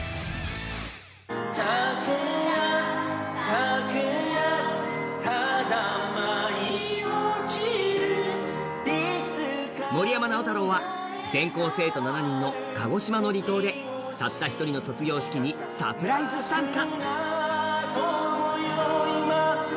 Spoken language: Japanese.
更に森山直太朗は全校生徒７人の鹿児島の離島でたった一人の卒業式にサプライズ参加。